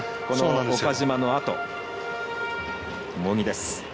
岡島のあと、茂木です。